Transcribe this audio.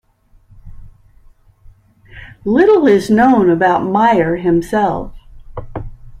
Little is known about Meyer himself.